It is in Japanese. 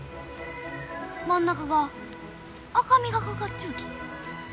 真ん中が赤みがかかっちゅうき。